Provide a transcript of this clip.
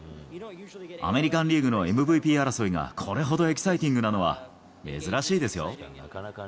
アメリカンリーグのＭＶＰ争いがこれほどエキサイティングなのは珍しいですよ。